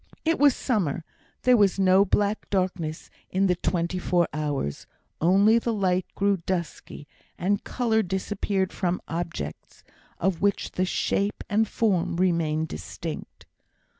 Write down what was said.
It was summer; there was no black darkness in the twenty four hours; only the light grew dusky, and colour disappeared from objects, of which the shape and form remained distinct.